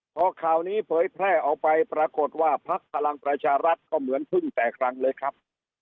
พอข่าวนี้เผยแพร่ออกไปปรากฏว่าพักพลังประชารัฐก็เหมือนพึ่งแตกรังเลยครับ